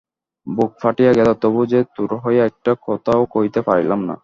বুক ফাটিয়া গেল, তবু যে তোর হইয়া একটি কথাও কহিতে পারিলাম না!